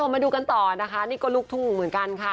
มาดูกันต่อนะคะนี่ก็ลูกทุ่งเหมือนกันค่ะ